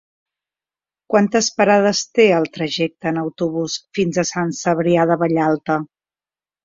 Quantes parades té el trajecte en autobús fins a Sant Cebrià de Vallalta?